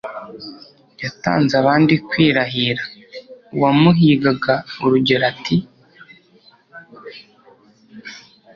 yatanze abandi kwirahira; uwamuhigaga urugero ati: